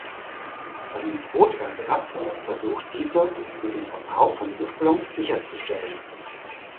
Seinen Broterwerb versucht dieser mit dem Verkauf von Luftballons sicherzustellen.